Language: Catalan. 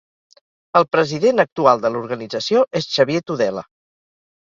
El president actual de l'organització és Xavier Tudela.